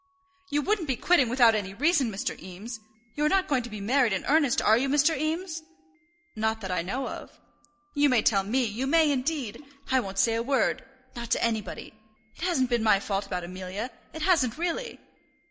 "You wouldn't be quitting without any reason, Mr. Eames. You are not going to be married in earnest, are you, Mr. Eames?" "Not that I know of." "You may tell me; you may, indeed. I won't say a word, not to anybody. It hasn't been my fault about Amelia. It hasn't really."